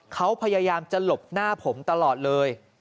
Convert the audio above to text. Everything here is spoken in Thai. เขาพยายามจะหลบหน้าผมตลอดเลย